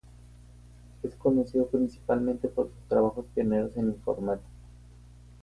Es conocido principalmente por sus trabajos pioneros en informática.